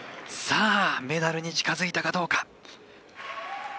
メダルに近づいたかどうか。